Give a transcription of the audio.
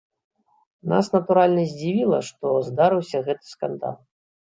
Нас, натуральна, здзівіла, што здарыўся гэты скандал.